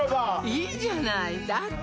いいじゃないだって